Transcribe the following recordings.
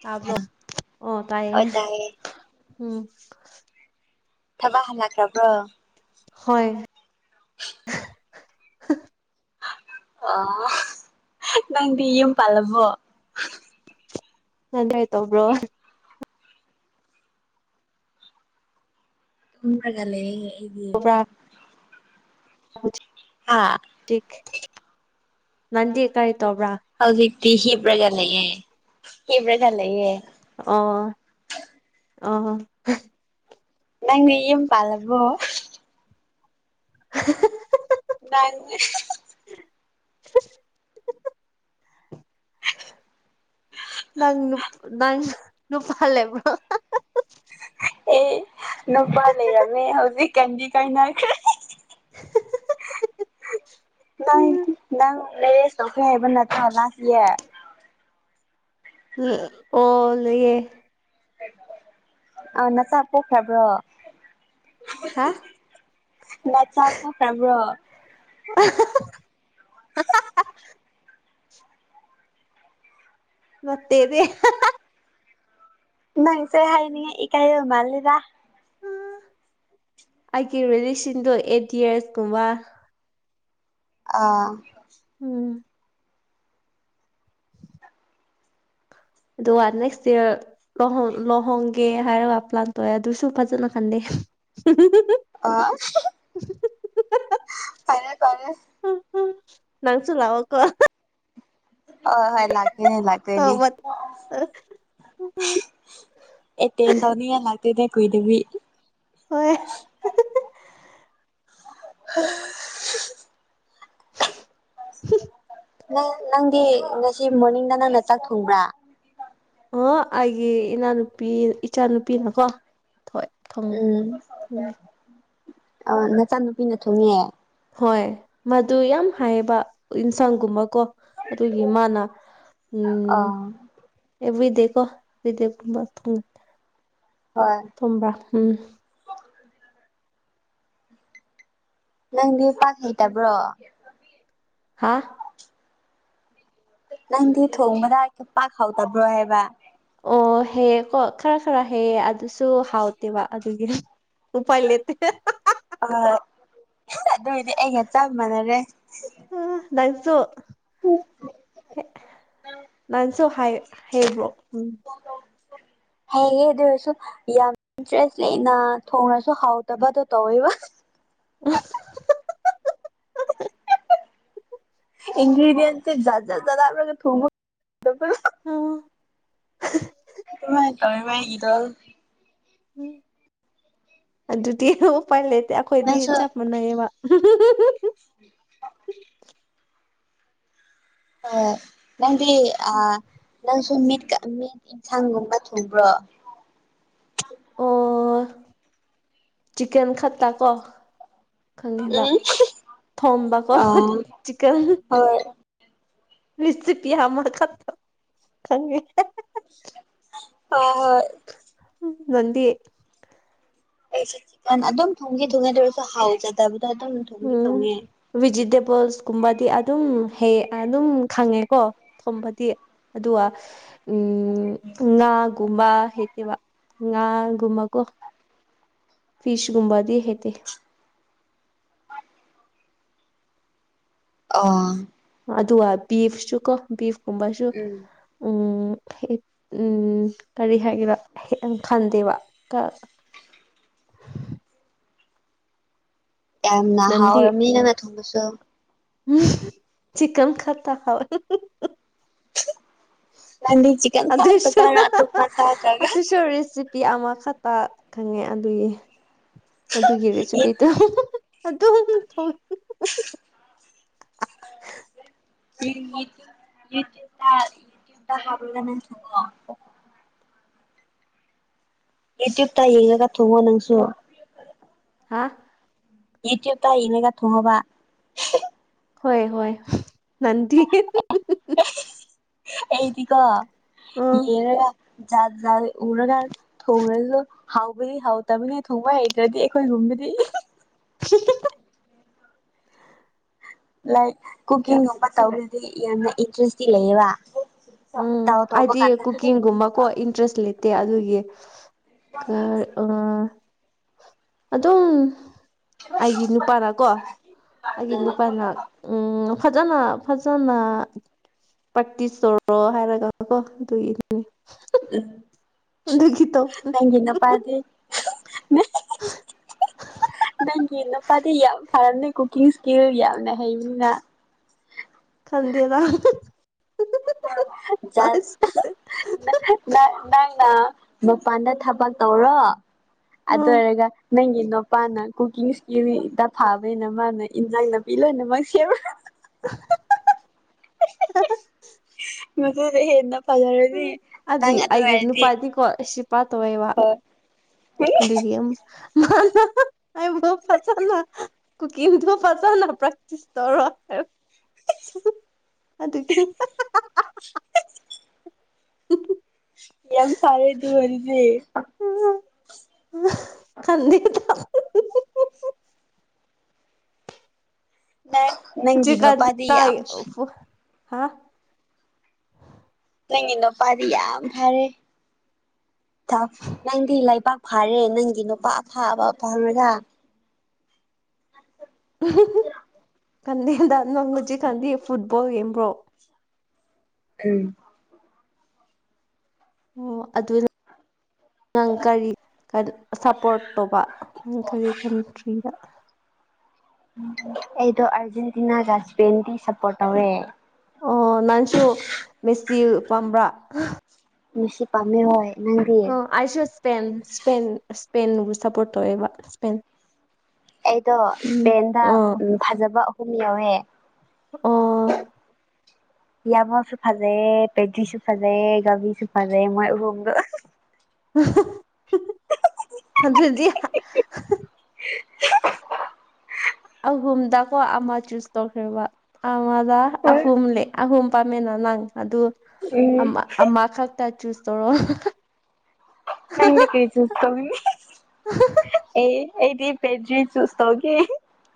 ꯇꯥꯕ꯭ꯔꯣ ꯑꯣ ꯇꯥꯏꯌꯦ ꯎꯝ ꯊꯕꯛ ꯍꯜꯂꯛꯈ꯭ꯔꯕꯣ ꯍꯣꯏ [unintelligible] ꯑ ꯅꯪꯗꯤ ꯌꯨꯝ ꯄꯥꯜꯂꯕꯣ ꯅꫭꯟꯗꯩ ꯇꯧꯕ꯭ꯔꯣ ꯇꯨꯝꯂꯒ ꯂꯩꯔꯦꯌꯦ ꯑꯩꯗꯤ ꯇꯧꯕ꯭ꯔꯥ ꯍꯥ [unintelligible] ꯅꯪꯗꯤ ꯀꯔꯤ ꯇꯧꯕ ꯗꯤ ꯍꯤꯞꯂꯒ ꯂꯩꯌꯦ ꯍꯤꯞꯂꯒ ꯂꯩꯌꯦ ꯑꯣ ꯑꯣ ꯍꯦꯍꯦ ꯅꯪꯗꯤ ꯌꯨꯝ ꯄꯥꯜꯂꯕꯣ ꯍꯥ ꯍꯥ ꯍꯥ ꯍꯨ ꯍꯨ ꯅꯥꯟꯅꯤ ꯍꯨ ꯏꯍꯨ ꯍꯨ ꯅꯪ ꯅꯨꯞ ꯅꯪ ꯅꯨꯨꯄꯥ ꯂꯩꯕ꯭ꯔꯣ ꯑꯦ ꯅꯨꯄꯥ ꯂꯩꯔꯝꯃꯦ ꯍꯧꯖꯤꯛ ꯀꯟꯗꯤ ꯀꯥꯏꯅꯈ꯭ꯔꯦ ꯅꯪ ꯅꯪ ꯂꯩꯌꯦꯁ ꯇꯥꯎꯊꯦꯕꯅ ꯊꯥ ꯐꯗꯔꯤꯌꯦ ꯎ ꯑꯣ ꯂꯌꯦꯦ ꯑ ꯅꯆꯥ ꯄꯣꯛꯈ꯭ꯔꯕ꯭ꯔꯣ ꯍꯥ ꯅ ꯆꯄ꯭ꯔꯝ꯭ꯔꯣ [inaudible] ꯃꯠꯇꯦꯕ ꯅꯪꯁꯦ ꯍꯥꯏꯅꯤꯉ ꯏ ꯀꯥꯏ ꯃꯥꯜꯂꯗ ꯑꯩꯒꯤ ꯔꯤꯂꯦꯁꯟꯗꯣ ꯑꯩꯠ ꯌꯌꯥꯔꯁꯀꯨꯝꯕ ꯑꯥ ꯎꯝ ꯑꯗꯨꯒ ꯅꯦꯛꯁ ꯏꯌꯥꯔ ꯂ ꯂꯨꯍꯣꯡꯒꯦ ꯍꯥꯏꯔꯒ ꯄ꯭ꯂꯥꯟ ꯇꯧꯑꯦ ꯑꯗꯨꯁꯨ ꯐꯖꯅ ꯈꯟꯗꯦ [inaudible] ꯑ ꯐꯔ ꯀꯔꯦ ꯎꯝ ꯅꯪꯁꯨ ꯂꯑꯣ ꯀꯣ ꯍ ꯍꯣꯏ ꯂꯥꯛꯦ ꯂꯒꯦꯅꯦ ꯇꯧꯕ ꯑꯦ ꯇꯦꯟꯗꯅꯤ ꯂ ꯗ ꯀꯗꯕꯤ ꯍꯣꯏ ꯍꯜꯂ [inaudible] ꯅ ꯅꯪꯗꯤ ꯉꯁꯤ ꯃꯣꯔꯅꯤꯡꯗ ꯅꯪꯅ ꯆꯥꯛ ꯊꯣꯡꯕ꯭ꯔꯥ ꯑꯣ ꯑꯩꯒꯤ ꯏꯅꯥꯅꯨꯄꯤ ꯏꯆꯥꯅꯨꯄꯤꯅꯀꯣ ꯊꯣꯏ ꯊꯨꯡ ꯎꯝ ꯊꯨꯡꯉ ꯑ ꯅꯆꯥ ꯅꯨꯨꯄꯤꯅ ꯊꯨꯡꯉ ꯍꯣꯏ ꯃꯗꯨ ꯌꯥꯝ ꯍꯥꯏꯌꯦꯕ ꯌꯦꯟꯁꯥꯡꯒꯨꯝꯕꯀꯣ ꯑꯗꯨꯒꯤ ꯃꯥꯅ ꯎꯝ ꯑꯥ ꯑꯦꯚ꯭ꯔꯤꯗꯦ ꯀꯣ ꯑꯦꯕ꯭ꯔꯤꯗꯦꯒꯨꯝꯕ ꯊꯣꯡꯒ ꯍꯣꯏ ꯊꯣꯡꯕ ꯎꯝ ꯅꯪꯗꯤ ꯄꯥꯛ ꯍꯩꯇꯕ꯭ꯔꯣ ꯍꯥꯥ ꯅꯪꯗꯤ ꯊꯣꯡꯕꯗ ꯄꯥꯛ ꯍꯥꯎꯗꯕ꯭ꯔꯣ ꯍꯥꯏꯕ ꯑꯣ ꯍ ꯈꯔ ꯈꯔ ꯍ ꯑꯗꯨꯁꯨ ꯍꯥꯎꯇꯦꯕ ꯑꯗꯨꯒꯤ ꯎꯄꯥꯏ ꯂꯦꯇꯦ ꯑꯗꯨꯏꯗꯤ ꯑꯩꯒ ꯆꯞ ꯃꯥꯟꯅꯔꯦ ꯂꯏꯁꯨ ꯅꯟꯁꯨ ꯍꯥꯏ ꯍꯦꯕ꯭ꯔꯣ ꯎꯝ ꯎ ꯍꯌꯦꯌꯦꯦ ꯑꯗꯨ ꯑꯣꯏꯔꯁꯨ ꯌꯥꯝ ꯏꯟꯇꯔꯦꯁ ꯂꯩꯅ ꯊꯣꯡꯅꯁꯨ ꯍꯥꯎꯗꯕꯗꯣ ꯇꯧꯋꯦꯕ ꯎ ꯏꯟꯒ꯭ꯦꯗꯤꯌꯦꯟꯁꯖꯖ ꯊꯣꯡ ꯑꯣ ꯃꯥꯏ ꯇꯃꯦꯃ ꯏꯗꯜ ꯎꯝ ꯑꯗꯨꯗꯤ ꯎꯄꯥꯏ ꯂꯩꯇꯦ ꯑꯩꯈꯣꯏꯗꯤ ꯅꯪꯁꯨ ꯆꯞ ꯃꯥꯟꯅꯩꯌꯦꯕ ꯑ ꯅꯪ ꯑ ꯅꯪ ꯁꯃꯃꯤ ꯃꯤꯠ ꯏꯟꯁꯥꯡꯒꯨꯝꯕ ꯊꯨꯝꯕ꯭ꯔꯣ ꯑꯣ ꯆꯤꯛꯀꯟ ꯈꯠꯇ ꯀꯣ ꯈꯪꯉꯕ ꯎꯝ ꯊꯣꯝꯕꯀꯣ ꯑ ꯍꯣꯏ ꯆꯤꯀꯜ ꯍꯣꯏ ꯂꯤꯁꯤ ꯄꯤ ꯃ ꯈꯠꯇꯪ ꯑ ꯍꯣꯏ ꯅꯟꯤꯦ ꯑꯩꯁꯨ ꯆꯤꯛꯀꯟ ꯑꯗꯨꯝ ꯊꯣꯡꯒꯤ ꯊꯣꯡꯉꯦ ꯑꯗꯨ ꯑꯣꯏꯔꯁꯨ ꯍꯥꯎꯖꯗꯕꯗ ꯑꯗꯨꯝ ꯊꯣꯡꯗꯤ ꯊꯣꯡꯉꯦ ꯐꯕꯜꯁꯀꯨꯝꯕꯗꯤ ꯑꯗꯨꯝ ꯍ ꯑꯗꯨꯝ ꯈꯪꯉꯦꯀꯣ ꯊꯣꯝꯕꯗꯤ ꯑꯗꯨꯒ ꯎꯝ ꯉꯥꯒꯨꯝꯕ ꯋꯥ ꯉꯥꯡ ꯃꯒꯣ ꯐꯤꯁꯒꯨꯝꯕꯥꯗꯍꯇ ꯑ ꯑꯗꯨꯒ ꯕꯤꯐꯁꯨ ꯀꯣ ꯕꯤꯐ ꯀꯨꯝꯕꯁꯨ ꯎꯝ ꯎ ꯎꯝ ꯀꯔꯤ ꯍꯥꯏꯒꯦꯅꯣ ꯈꯟꯗꯦꯕ [unintelligible] ꯌꯥꯝꯅ ꯍꯥꯎꯔꯃꯤ ꯅꯪꯅ ꯊꯣꯡꯕꯁꯨ ꯎꯝ ꯆꯤꯛꯟ ꯈꯇꯥ ꯍꯕ ꯅꯪꯗꯤ ꯆꯤꯛꯀꯟ ꯈꯛꯇ ꯆꯥꯔ ꯑꯇꯣꯞꯄ ꯆꯥꯗ꯭ꯔꯒ ꯑꯇꯩꯁꯨ ꯔꯦꯁꯤꯄꯤ ꯑꯃꯛ ꯐꯠꯄ ꯈꯪꯉꯦ ꯑꯗꯨꯒꯤ ꯑꯗꯨꯒꯤ ꯔꯦꯁꯤꯄꯤꯗꯨꯣ ꯑꯗꯨ ꯍ [unintelligible] ꯍꯥꯔ ꯊ ꯑꯦꯇꯨꯞ ꯇꯥꯏ ꯌꯦꯡꯒ ꯊꯉꯣ ꯅꯪꯁꯨ ꯍꯥꯥ ꯏꯠꯇ ꯇꯥꯏ ꯏꯅꯦꯒ ꯊꯣꯡꯉꯕꯥ ꯍꯣꯏ ꯍꯣꯏ ꯅꯟꯗꯤ ꯑꯦꯗꯤꯀꯣ [unintelligible] ꯎꯝ ꯖꯥꯠ ꯖꯥꯠ ꯎꯔꯒ ꯊꯣꯡꯔꯁꯨ ꯍꯥꯎꯕꯗꯤ ꯍꯥꯎ ꯇꯕꯗꯤ ꯊꯣꯡꯕ ꯍꯩꯇ꯭ꯔꯗꯤ ꯑꯩꯈꯣꯏ ꯀꯔꯤ ꯂꯥꯏꯛ ꯀꯨꯀꯤꯡꯒꯨꯝꯕ ꯇꯧꯕꯗꯗꯤ ꯌꯥꯝꯅ ꯏꯟꯇ꯭ꯔꯦꯁꯇꯤ ꯂꯩꯌꯦꯕ ꯎꯝ ꯇꯧ ꯇꯧꯕ ꯑꯗꯤ ꯀꯥꯟꯗ ꯎꯝ ꯀꯨꯀꯤꯡꯒꯨꯝꯕ ꯀꯣ ꯏꯟꯇ꯭ꯔꯦꯁ ꯂꯩ ꯇꯦ ꯑꯗꯨꯒꯤ ꯑ ꯑꯗꯨꯝ ꯑꯩꯒꯤ ꯅꯨꯄꯥꯅ ꯀꯣ ꯑꯩꯒꯤ ꯅꯨꯄꯥꯅ ꯎꯝ ꯐꯖꯅ ꯐꯖꯅ ꯄ꯭ꯔꯦꯛꯇꯤꯁ ꯇꯧꯔꯣ ꯍꯥꯏꯔꯒ ꯀꯣ ꯑꯗꯨꯒꯤꯗꯨꯅꯦ ꯎꯝ ꯅꯒꯤ ꯄꯥꯏꯗꯤ ꯅꯪꯒꯤ ꯅꯨꯄꯥꯗꯤ ꯌꯥꯝ ꯐꯔꯝꯅꯦ ꯀꯨꯀꯤꯡ ꯏꯁꯀꯤꯜ ꯌꯥꯝꯅ ꯍꯩꯕꯅꯤꯅ ꯈꯪꯗꯦ ꯇ ꯅꯪꯅ ꯃꯄꯥꯟꯗ ꯊꯕꯛ ꯇꯧꯔꯣ ꯑꯗꯨ ꯎꯝ ꯑꯣꯏꯔꯒ ꯅꯪꯒꯤ ꯅꯨꯄꯥꯅ ꯀꯨꯀꯤꯡ ꯏꯁꯀꯤꯜꯗ ꯊꯥꯕꯅꯤꯅ ꯃꯥꯅ ꯏꯟꯖꯥꯡ ꯅꯥꯄꯤ ꯂꯣꯏꯅꯃꯛ ꯁꯦꯝꯕ [unintelligible] ꯃꯗꯨ ꯑꯗꯨ ꯑꯩꯒꯤ ꯅꯨꯄꯥꯗꯤꯀꯣ ꯁꯤꯄꯥ ꯇꯧꯋꯦꯕ ꯍꯣꯏ ꯑꯗꯨꯒꯤ ꯑꯃ [unintelligible] [unintelligible] ꯑꯗꯨꯗꯒꯤ ꯌꯥꯝ ꯐꯔꯦ ꯑꯗꯨ ꯑꯣꯏꯔꯗꯤ ꯈꯪꯗ ꯇ ꯅꯪ ꯖꯤ ꯅꯪꯒꯤ ꯀꯥꯟ ꯅꯨꯄꯥꯗꯤ ꯌꯥꯝ ꯍꯥ ꯅꯪꯒꯤ ꯅꯨꯄꯥꯗꯤ ꯌꯥꯝ ꯐꯔꯦ ꯅꯪꯗꯤ ꯂꯩꯕꯥꯛ ꯐꯥꯔꯦ ꯅꯪꯒꯤ ꯅꯨꯄꯥ ꯑꯐꯥꯕ ꯐꯥꯔꯔꯥ ꯀꯗꯗꯅ ꯃꯉꯨꯖꯤ ꯀꯗ ꯐꯨꯠꯕꯣꯜ ꯀꯝꯕ꯭ꯔꯣ ꯎꯝ ꯑꯣ ꯑꯗꯨꯗ ꯅꯪ ꯀꯔꯤ ꯁꯄꯣꯔꯠ ꯇꯧꯕ ꯅꯪ ꯀꯔꯤ ꯀꯟꯇ꯭ꯔꯤꯗ ꯑꯩꯗꯣ ꯑꯥꯔꯖꯦꯟꯇꯤꯅꯥ ꯔꯖꯄꯦꯟꯗꯤ ꯁꯞꯄꯣꯔꯠ ꯇꯧꯔꯦ ꯑꯣ ꯅꯟꯁꯨ ꯃꯦꯁꯇꯤ ꯄꯝꯕ꯭ꯔꯥ ꯃꯁꯤꯁꯤ ꯄꯥꯝꯃꯦ ꯍꯣꯏ ꯅꯪꯗꯤꯌꯦ ꯏꯁꯄꯦꯟ ꯁꯄꯦꯟ ꯁꯄꯦꯟꯕꯨ ꯁꯄꯣꯔꯠ ꯇꯧꯋꯦꯕ ꯁꯄꯦꯟ ꯑꯩꯗꯣ ꯏꯁꯄꯦꯟꯗ ꯎ ꯐꯖꯕ ꯑꯍꯨꯝ ꯌꯧꯋꯦ ꯑꯣ ꯌꯥꯃꯣꯁꯨ ꯐꯖꯩ ꯄꯦꯖꯤꯔꯤꯁꯨ ꯐꯖꯩ ꯕꯤꯁꯨ ꯐꯖꯩ ꯃꯣꯏ ꯎꯣꯡꯗ ꯖꯤ [unintelligible] ꯑꯍꯨꯝꯗꯀꯣ ꯑꯃ ꯆꯨꯁ ꯇꯧꯈ꯭ꯔꯦꯕ ꯑꯃꯗ ꯍꯣꯏ ꯑꯍꯨꯝꯂ ꯑꯍꯨꯝ ꯄꯥꯝꯃꯦꯟꯅ ꯅꯪ ꯑꯗꯨ ꯎꯝ ꯑꯃ ꯈꯛꯇ ꯆꯨꯁ ꯇꯧꯔꯣ ꯅꯟꯗꯤ ꯀꯔꯤ ꯆꯨꯁ ꯇꯅꯤ ꯑꯦ ꯑꯩꯗꯤ ꯄꯦꯔꯔꯤ ꯆꯨꯁꯣꯒꯤ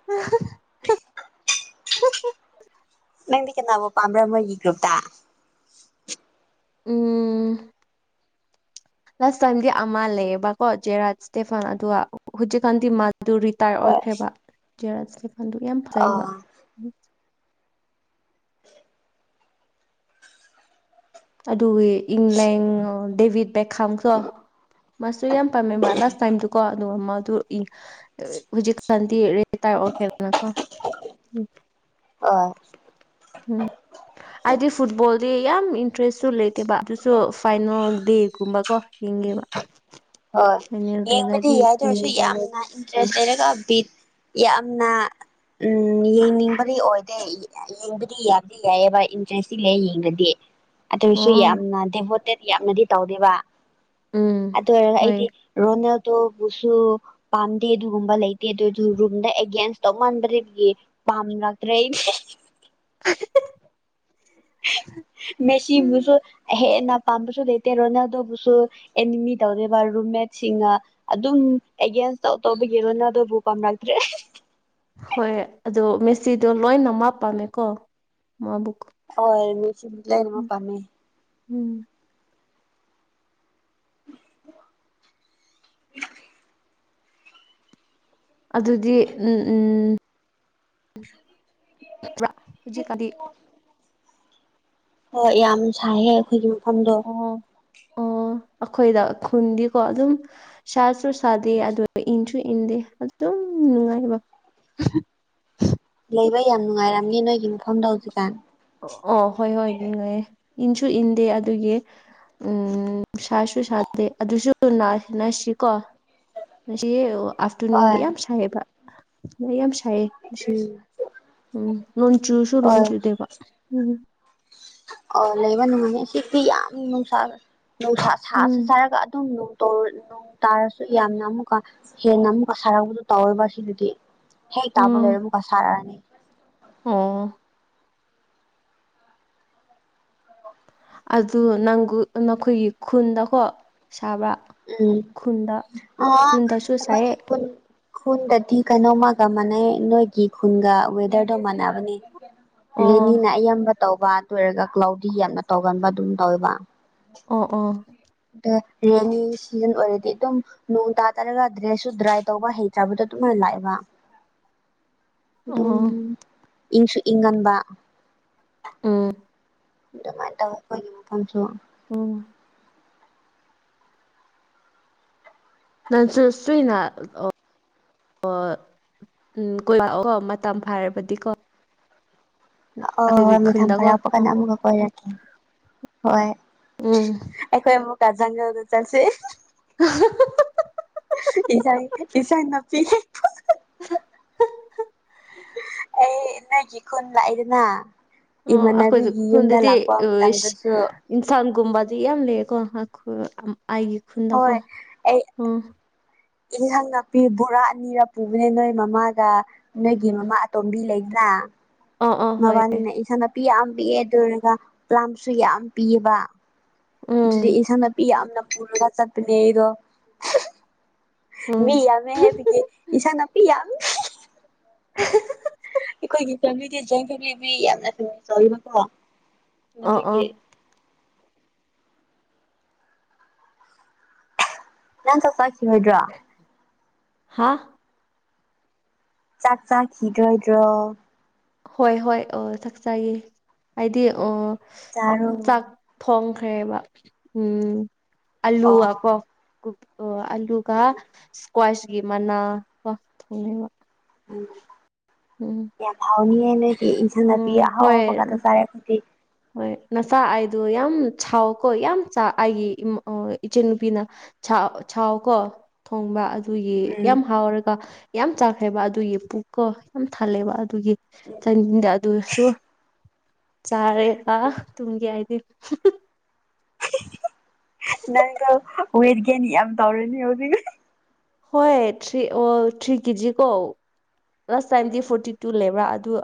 ꯎ [unintelligible] ꯅꯗꯤ ꯀ ꯅꯕ ꯄꯝꯕꯃꯔ ꯭ꯔꯨꯨꯞꯇꯥ ꯎꯝ ꯂꯥꯁ ꯇꯥꯏꯝꯗꯤ ꯑꯃ ꯂꯩꯌꯦꯕꯀꯣ ꯖꯦꯔꯥꯖ ꯏꯁꯇꯦꯐꯟ ꯑꯗꯨꯒ ꯍꯧꯖꯤꯛꯀꯥꯟꯗꯤ ꯑꯗꯨ ꯔꯤꯇꯥꯌꯔ ꯍꯣꯏ ꯑꯣꯏꯈ꯭ꯔꯦꯕ ꯖꯦꯔ ꯁꯂꯤꯐꯥꯟꯗꯨ ꯌꯥꯝ ꯑ ꯐꯖꯩꯕ ꯑꯗꯨꯒꯤ ꯏꯪꯂꯦꯟ ꯗꯦꯕꯤꯠ ꯕꯦꯈꯥꯝꯇꯣꯁ ꯑꯗꯨ ꯌꯥꯝ ꯄꯥꯝꯃꯦꯕ ꯂꯥꯁ ꯇꯥꯏꯝꯗꯀꯣ ꯑꯗꯨ ꯑꯃ ꯑꯗꯨ ꯍꯧꯖꯤꯛꯀꯥꯟꯗꯤꯔꯤꯇꯥꯔ ꯑꯣꯏꯔ ꯀꯣ ꯍꯣꯏ ꯎꯝ ꯍꯥꯏꯗꯤ ꯐꯨꯠꯕꯣꯜꯗꯤ ꯌꯥꯝ ꯏꯟꯇ꯭ꯔꯦꯁꯁꯨ ꯂꯩꯇꯦꯕ ꯑꯗꯨꯁꯨ ꯐꯥꯏꯅꯦꯜ ꯗꯦꯀꯨꯝꯕꯀꯣ ꯌꯦꯒꯦꯕ ꯍꯣꯏ ꯌꯦꯡꯕꯗꯤ ꯌꯥꯗ꯭ꯔꯁꯨ ꯌꯦꯡꯉꯦ ꯌꯥꯝꯅ ꯏꯟꯇꯔꯦꯁ ꯂꯩꯔꯒ ꯕꯤ ꯌꯥꯝꯅ ꯎꯝ ꯌꯦꯡꯅꯤꯡꯕꯗꯤ ꯑꯣꯏꯗꯦ ꯌꯦꯡꯕꯗꯤ ꯌꯥꯕꯗꯤ ꯌꯥꯏꯑꯕ ꯏꯟꯇꯔꯦꯁꯇꯤ ꯂꯩ ꯌꯦꯡꯕꯗꯤ ꯑꯗꯨꯁꯨ ꯑꯣ ꯌꯥꯝꯅ ꯗꯦꯚꯣꯇꯦꯠ ꯌꯥꯝꯅꯗꯤ ꯇꯧꯗꯦꯕ ꯎꯝ ꯇꯣꯏꯔꯒ ꯍꯣꯏ ꯑꯩꯗꯤ ꯔꯣꯅꯦꯜ ꯇꯣꯕꯨꯁꯨ ꯄꯥꯝꯗꯦ ꯑꯗꯨꯒꯨꯝꯕ ꯂꯩꯇꯦ ꯑꯗꯨꯗꯨ ꯔꯨꯝꯗ ꯑꯦꯒꯦꯟꯁ ꯇꯧ ꯃꯥꯟꯕꯒꯤ ꯄꯝꯔ ꯇ꯭ꯔ [unintelligible] ꯃꯦ ꯁꯤꯣ ꯍꯦꯟꯅ ꯄꯥꯝꯕꯁꯨ ꯂꯩꯇꯦ ꯔꯣꯅꯥꯜꯗꯣꯕꯨꯁꯨ ꯑꯦꯅꯤꯃꯤ ꯇꯧꯦꯕ ꯔꯨꯝꯃꯦꯠꯁꯤꯡꯅ ꯑꯗꯨꯝ ꯇ ꯇꯧꯕꯒꯦꯔꯣ ꯅꯅ ꯑꯗꯨꯣ ꯕꯨ ꯀꯝ ꯂꯇ꯭ꯔꯦ ꯍꯣꯏ ꯑꯗꯣ ꯃꯦꯁꯇꯤꯗꯣ ꯂꯣꯏꯅ ꯃꯥ ꯄꯥꯝꯃꯦꯀꯣ ꯃꯥꯕꯨꯀ ꯑꯣ ꯃꯤꯁꯅꯃ ꯄꯥꯝꯃꯦ ꯎꯝ [unintelligible] ꯑꯗꯨꯗꯤ ꯎꯝ ꯎꯝ ꯍꯧꯖꯤꯛ ꯀꯗꯤ ꯍꯣꯏ ꯌꯥꯝ ꯁꯥꯏꯍꯦ ꯑꯩꯈꯣꯏꯒꯤ ꯃꯐꯝꯗꯣ ꯑꯣ ꯑꯣ ꯑꯩꯈꯣꯏꯗ ꯈꯨꯟꯗꯤꯀꯣ ꯑꯗꯨꯝ ꯁꯥꯁꯨꯁꯨ ꯁꯥꯗꯦ ꯑꯗꯨꯟꯁꯨ ꯏꯗꯦ ꯑꯗꯨꯝ ꯅꯨꯡꯉꯥꯏꯕ ꯂꯩꯕ ꯌꯥꯝ ꯅꯨꯡꯉꯥꯏꯔꯝꯅꯦ ꯅꯣꯏꯒꯤ ꯃꯐꯝꯗꯣ ꯍꯧꯖꯤꯛꯀꯥꯟ ꯑꯣ ꯍꯣꯏ ꯍꯣꯏ ꯑꯗꯨꯉꯥꯏꯌꯦꯦ ꯏꯟꯁꯨ ꯏꯟꯗꯦ ꯑꯗꯨꯒꯤ ꯎꯝ ꯁꯥꯁꯨ ꯁꯥꯗꯦ ꯑꯗꯨꯁꯨ ꯅꯁꯤꯀꯣ ꯃꯁꯤ ꯑꯐꯇꯔꯅꯟ ꯍꯣꯏ ꯂꯩ ꯌꯥꯝ ꯁꯥꯍꯦꯕꯥꯛ ꯅ ꯌꯥꯝ ꯁꯥꯏꯌꯦ ꯎꯝ ꯎꯝ ꯂꯣꯟꯆꯨꯁꯨ ꯂꯣꯟ ꯍꯣꯏ ꯆꯨꯗꯦꯕ ꯎꯝ ꯑꯣ ꯂꯩꯕ ꯅꯨꯡꯉꯥꯏ ꯁꯤꯁꯤ ꯌꯥꯝ ꯅꯨꯡꯁꯥ ꯅꯨꯡꯁꯥ ꯁꯥ ꯎꯝ ꯁꯥꯔꯒ ꯑꯗꯨꯝ ꯅꯣꯡ ꯇꯥꯔꯁꯨ ꯌꯥꯝꯅ ꯑꯃꯨꯛꯀ ꯍꯦꯟꯅ ꯑꯃꯨꯛꯀ ꯁꯥꯔꯛꯄꯗ ꯇꯧꯋꯦꯕ ꯁꯤꯗꯗꯤ ꯍꯦ ꯇꯥꯕ ꯂꯩꯔꯝꯒ ꯁꯥꯔꯥꯅꯤ ꯑꯥ ꯑꯗꯨ ꯅꯪ ꯅꯈꯣꯏꯒꯤ ꯈꯨꯟꯗꯀꯣ ꯁꯥꯕ꯭ꯔꯥ ꯎꯝ ꯈꯨꯟꯗ ꯈꯨꯟꯗꯁꯨ ꯑꯣ ꯁꯥꯏꯌꯦ ꯈꯨꯟꯗꯗꯤ ꯀꯩꯅꯣꯝꯃꯒ ꯃꯥꯟꯅꯩ ꯅꯣꯏꯒꯤ ꯈꯨꯟꯒ ꯋꯦꯗꯔꯗꯣ ꯃꯥꯟꯅꯕꯅꯦ ꯑꯣ ꯔꯦꯅꯤꯅ ꯑꯌꯥꯝꯕ ꯇꯧꯕ ꯑꯗꯨ ꯑꯣꯏꯔꯒ ꯀ꯭ꯂꯥꯎꯗꯤ ꯌꯥꯝꯅ ꯇꯧꯒꯟꯕ ꯑꯗꯨꯝ ꯇꯧꯋꯦꯕ ꯑ ꯑ ꯎ ꯁꯤꯖꯟ ꯑꯣꯏꯔꯗꯤ ꯑꯗꯨꯝ ꯅꯣꯡ ꯇꯥ ꯇꯔꯒ ꯗ꯭ꯔꯦꯁꯁꯨ ꯗ꯭ꯔꯥꯏ ꯇꯧꯕ ꯍꯩꯇ꯭ꯔꯕꯗꯣ ꯑꯗꯨꯃꯥꯏꯅ ꯂꯥꯛꯑꯦꯕ ꯑꯣ ꯏꯪꯁꯨ ꯏꯪꯒꯥꯟꯕ ꯎꯝ ꯑꯗꯨꯃꯥꯏꯅ ꯇꯧ ꯑꯩꯈꯣꯏꯒꯤ ꯃꯐꯝꯁꯨ ꯑꯣ ꯅꯟꯁꯨ ꯁ꯭ꯔꯤꯅꯥ ꯑꯣ ꯎꯝ ꯀꯣꯏ ꯂꯥꯛꯑꯣ ꯃꯇꯝ ꯐꯥꯔꯕꯗꯤ ꯀꯣ ꯑꯣ ꯍꯣꯏ ꯃꯊꯪ ꯐꯔꯛꯄ ꯀꯥꯟꯗ ꯑꯣ ꯑꯃꯨꯛꯀ ꯀꯣꯏꯔꯛꯀꯦ ꯍ ꯎꯝ ꯑꯩꯈꯣꯏ ꯃꯨ ꯀꯖꯒ ꯆꯁꯤ ꯏꯖꯥꯏ ꯏꯆꯥꯏ ꯅꯄꯤ ꯍꯍꯍ ꯅꯒꯤ ꯈꯨ ꯂꯥꯛꯗꯅ ꯑꯣ ꯑꯩꯈꯣꯏ ꯈꯨꯣꯟꯗꯗꯤ ꯃꯇꯝꯗꯁꯨ ꯏꯟꯁꯥꯡꯒꯨꯝꯕꯗꯤ ꯌꯥꯝ ꯂꯩꯌꯦꯀꯣ ꯑꯩꯥꯏꯒꯤ ꯈꯨꯟꯗꯀꯣ ꯎ ꯏꯪꯍꯪ ꯉꯛꯄꯤ ꯕꯣꯔꯥ ꯑꯅꯤꯔ ꯄꯨꯕꯅꯦ ꯅꯣꯏ ꯃꯃꯥꯒ ꯅꯣꯏꯒꯤ ꯃꯃꯥ ꯑꯇꯣꯝꯕꯤ ꯂꯩꯗ꯭ꯔꯥ ꯑ ꯑꯥ ꯑꯥ ꯍꯣꯏ ꯃꯕꯥꯅꯤꯅ ꯏꯟꯁꯥꯡ ꯅꯥꯄꯤ ꯌꯥꯝ ꯄꯤꯑꯦ ꯑꯗꯨ ꯑꯣꯏꯔꯒ ꯄ꯭ꯂꯥꯝꯁꯨ ꯌꯥꯝ ꯄꯤꯌꯦꯕ ꯎꯝ ꯑꯗꯨꯗꯤ ꯏꯟ ꯅꯥꯄꯤ ꯌꯥꯝꯅ ꯄꯨꯔꯒ ꯆꯠꯄꯅꯦ ꯑꯩꯗꯣ ꯎꯝ ꯃꯤ ꯌꯥ ꯃ ꯍꯦꯕꯒꯤ ꯏꯁꯥ ꯅꯄꯤ ꯑꯩꯈꯣꯏꯒꯤ ꯐꯦꯂꯤꯗꯤ ꯖꯟꯂꯤꯕꯤ ꯌꯥꯝꯅ ꯐꯦꯁ ꯑꯣꯏꯕꯀꯣ ꯑꯥ ꯑꯥ ꯑꯗꯒꯤ ꯅꯥꯟ ꯆꯠꯆꯥ ꯁꯤꯍꯗ꯭ꯔꯥ ꯍꯥ ꯆꯥꯛ ꯆꯥꯈꯤꯗ꯭ꯔꯣꯏꯗ꯭ꯔꯣ ꯍꯣꯏ ꯍꯣꯏ ꯑ ꯆꯥꯛꯆꯥꯒꯦ ꯍꯥꯏꯗꯤ ꯑ ꯇꯔꯨ ꯐꯔꯦꯕ ꯎꯝ ꯑꯣ ꯑꯂꯨꯒ ꯀꯣ ꯑꯂꯨꯒ ꯏꯁꯀ꯭ꯋꯥꯁꯀꯤ ꯃꯅꯥ ꯀꯣ ꯊꯣꯡꯅꯩꯕ ꯎꯝ ꯌꯥꯝ ꯊꯥꯎꯅꯤ ꯍꯥꯏ ꯅ ꯎꯝ ꯏꯟꯁꯅꯄꯤꯤ ꯑꯍꯥꯎ ꯍꯣꯏ ꯑꯍꯥꯎꯕꯒꯥꯗ ꯁꯥꯔꯦ ꯈꯗꯤ ꯍꯣꯏ ꯅꯆꯥꯥ ꯑꯩꯗꯣ ꯌꯥꯝ ꯁꯥꯎꯀꯣ ꯌꯥꯝ ꯑꯩꯒꯤ ꯏꯆ ꯅꯨꯨꯄꯤꯅ ꯁꯥꯎ ꯀꯣ ꯊꯣꯡꯕ ꯑꯗꯨꯒꯤ ꯎꯝ ꯌꯥꯝ ꯍꯥꯎꯔꯒ ꯌꯥꯝ ꯆꯥꯛꯈ꯭ꯔꯦꯕ ꯑꯗꯨꯒꯤ ꯄꯨꯛꯀ ꯌꯥꯝ ꯊꯜꯂꯦꯕ ꯑꯗꯨꯒꯤ ꯆꯗ ꯑꯗꯨꯁꯨ ꯆꯥꯔꯦꯀ ꯇꯨꯡꯒꯤ ꯍꯥꯏꯗꯤ ꯅꯪꯗ ꯑꯣꯏꯔꯒꯦꯅꯤ ꯑꯦꯝ ꯇꯧꯔꯅꯤ ꯍꯧ ꯀ ꯍꯣꯏ ꯊ꯭ꯔꯤ ꯑꯣ ꯊ꯭ꯔꯤ ꯀꯦꯖꯤ ꯀꯣ ꯂꯥꯁ ꯇꯥꯏꯝꯗꯤ ꯐꯣꯔꯇꯤ ꯇꯨ ꯂꯩꯕ꯭ꯔꯥ ꯑꯗꯨ